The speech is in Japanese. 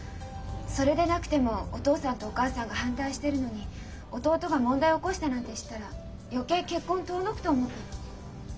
それでなくてもお父さんとお母さんが反対してるのに弟が問題起こしたなんて知ったら余計結婚遠のくと思ったの。